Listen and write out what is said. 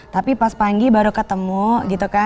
tapi pas panggi baru ketemu